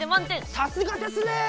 さすがですね！